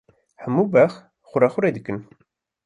Hemû beq qurequrê dikin.